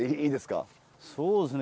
そうですね。